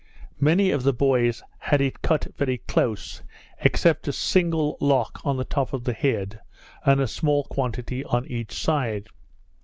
Many of the boys had it cut very close, except a single lock on the top of the head, and a small quantity on each side.